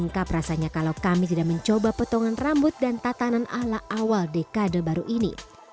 lengkap rasanya kalau kami tidak mencoba potongan rambut dan tatanan ala awal dekade baru ini